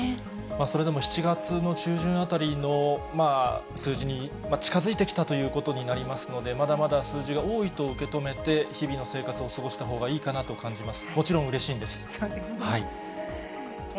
それでも７月の中旬あたりの数字に近づいてきたということになりますので、まだまだ数字が多いと受け止めて、日々の生活を過ごしたほうがいいかなと感じます。